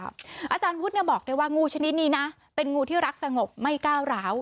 อาจารย์วุฒิบอกได้ว่างูชนิดนี้นะเป็นงูที่รักสงบไม่ก้าวร้าว